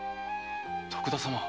徳田様！